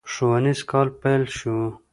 ښوونيز کال پيل شو.